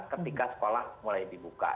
ketika sekolah mulai dibuka